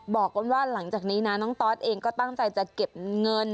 บอกว่าหลังจากนี้นะน้องตอสเองก็ตั้งใจจะเก็บเงิน